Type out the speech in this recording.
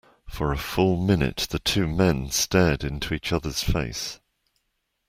For a full minute the two men stared into each other's face.